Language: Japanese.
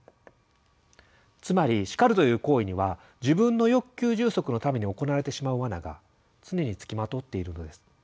つまり「叱る」という行為には自分の欲求充足のために行われてしまう罠が常に付きまとっているのです。